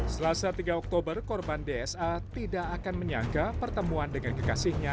selasa tiga oktober korban dsa tidak akan menyangka pertemuan dengan kekasihnya